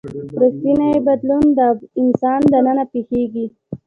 ریښتینی بدلون د انسان دننه پیښیږي.